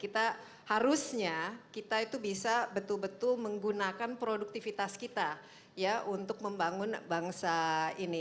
kita harusnya kita itu bisa betul betul menggunakan produktivitas kita ya untuk membangun bangsa ini